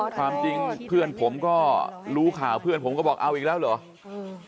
ความจริงเพื่อนผมก็รู้ข่าวเพื่อนผมก็บอกเอาอีกแล้วเหรออืม